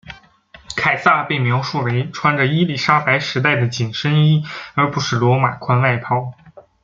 凯撒被描述为穿着伊丽莎白时代的紧身衣而不是罗马宽外袍。